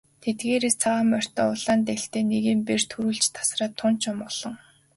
Тэдгээрээс цагаан морьтой улаан дээлтэй нэгэн бээр түрүүлж тасраад тун ч омголон.